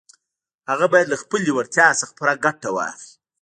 هغه بايد له خپلې وړتيا څخه پوره ګټه واخلي.